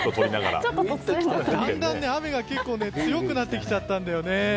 だんだん雨が強くなってきちゃったんだよね。